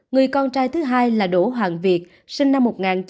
người con trai thứ hai là đỗ hoàng việt sinh năm một nghìn chín trăm chín mươi ba